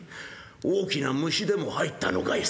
大きな虫でも入ったのかい？」。